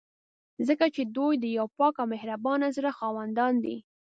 ځکه چې دوی د یو پاک او مهربانه زړه خاوندان دي.